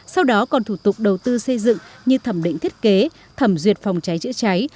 sau đó còn thủ tục đầu tư xây dựng như thẩm định thiết kế thẩm duyệt phòng cháy chữa cháy